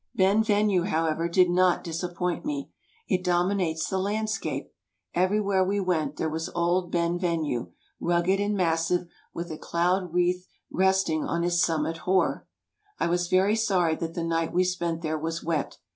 Ben Venue, however, did not disappoint me. It domi nates the landscape. Everywhere we went, there was old Ben Venue, rugged and massive, with a cloud wreath rest ing on his 'summit hoar.' I was very sorry that the night we spent there was wet.